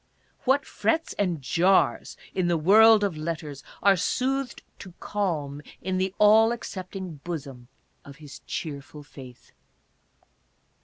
What frets and jars in the world of letters are soothed to calm in the all accepting bosom of his cheerful faith